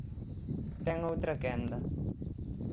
Ten outra quenda.